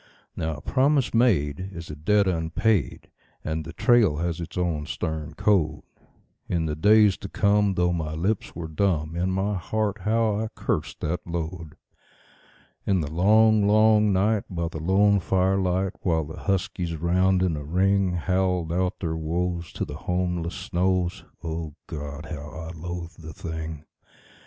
Now a promise made is a debt unpaid, and the trail has its own stern code. In the days to come, though my lips were dumb, in my heart how I cursed that load. In the long, long night, by the lone firelight, while the huskies, round in a ring, Howled out their woes to the homeless snows O God! how I loathed the thing.